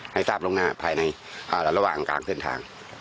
ให้ทราบลงหน้าภายในระหว่างกลางเส้นทาง